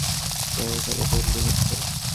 আমার এখানে বদলি হয়েছে।